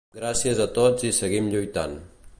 Gràcies a tots i seguim lluitant.